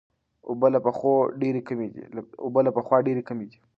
اوبه له پخوا ډېرې کمې دي.